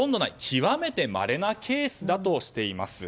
極めてまれなケースだとしています。